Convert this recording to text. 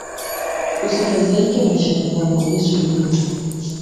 Usifazaike maishani mwako yesu yupo